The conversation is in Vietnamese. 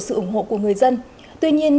sự ủng hộ của người dân tuy nhiên